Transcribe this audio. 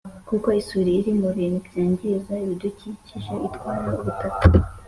kuko isuri iri mu bintu byangiza ibidukikije itwara ubutaka